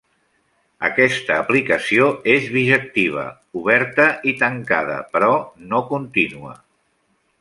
Aquesta aplicació és bijectiva, oberta i tancada, però no contínua.